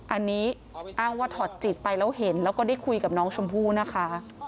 อันนี้อ้างว่าถอดจิตไปแล้วเห็นแล้วก็ได้คุยกับน้องชมพู่นะคะ